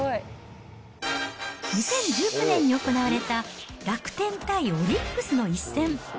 ２０１９年に行われた楽天対オリックスの一戦。